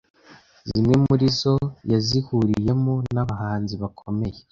Zimwe muri zo yazihuriyemo n’abahanzi bakomeye